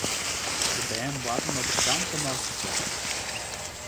De bern boarten op it kampke neist de skoalle.